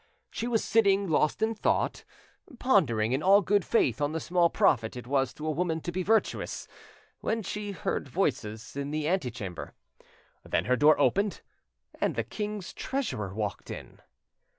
She was sitting lost in thought, pondering in all good faith on the small profit it was to a woman to be virtuous, when she heard voices in the antechamber. Then her door opened, and the king's treasurer walked in.